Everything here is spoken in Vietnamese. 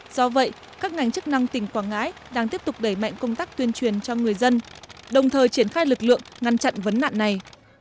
do vậy các ngành chức năng tỉnh quảng ngãi đang tiếp tục đẩy mạnh công tác tuyên truyền cho người dân đồng thời triển khai lực lượng ngăn chặn vấn nạn này